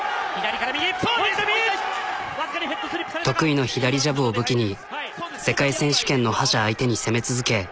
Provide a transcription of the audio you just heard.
得意の左ジャブを武器に世界選手権の覇者相手に攻め続け。